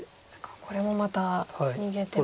これもまた逃げても。